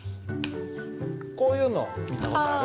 こういうの見た事ある？